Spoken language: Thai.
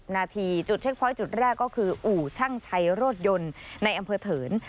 นาทีจุดเช็คพอยต์จุดแรกก็คืออู่ช่างชัยรถยนต์ในอำเภอเถิน